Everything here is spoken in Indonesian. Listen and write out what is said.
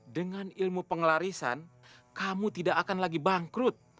dengan ilmu pengelarisan kamu tidak akan lagi bangkrut